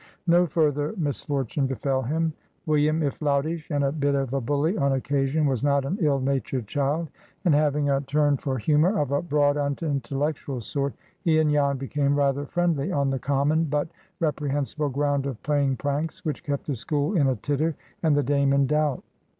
No further misfortune befell him. William, if loutish and a bit of a bully on occasion, was not an ill natured child; and, having a turn for humor of a broad, unintellectual sort, he and Jan became rather friendly on the common, but reprehensible ground of playing pranks, which kept the school in a titter and the Dame in doubt.